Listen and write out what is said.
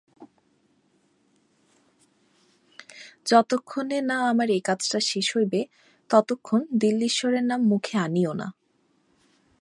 যতক্ষণে না আমার এই কাজটা শেষ হইবে, ততক্ষণ দিল্লীশ্বরের নাম মুখে আনিও না।